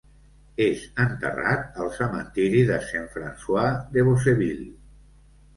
És enterrat al cementiri de Saint-Francois de Beauceville.